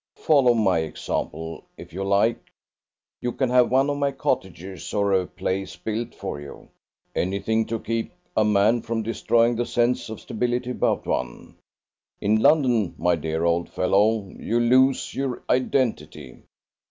Follow my example, if you like. You can have one of my cottages, or a place built for you. Anything to keep a man from destroying the sense of stability about one. In London, my dear old fellow, you lose your identity.